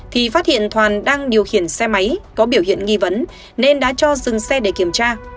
thì phát hiện toàn đang điều khiển xe máy có biểu hiện nghi vấn nên đã cho dừng xe để kiểm tra